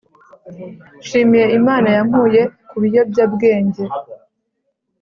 Nshimiye imana yankuye kubiyobya bwenge